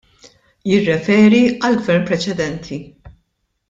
Jirreferi għall-Gvern preċedenti.